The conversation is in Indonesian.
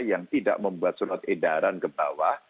yang tidak membuat surat edaran ke bawah